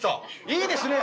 いいですね！